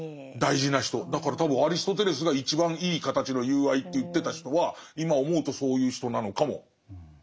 だから多分アリストテレスが一番いい形の友愛って言ってた人は今思うとそういう人なのかもしれない。